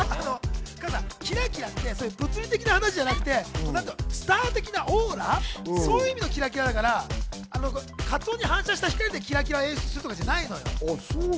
キラキラって物理的な話じゃなくて、スター的なオーラ、そういうキラキラだからカツオに反射したキラキラを演出するとかじゃないのよ。